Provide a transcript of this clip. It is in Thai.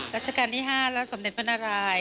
รัชกาลที่๕แล้วสมเด็จบรรณราย